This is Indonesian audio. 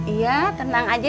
iya tenang aja deh